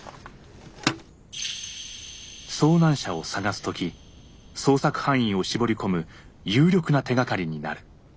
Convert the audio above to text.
遭難者を捜す時捜索範囲を絞り込む有力な手がかりになる。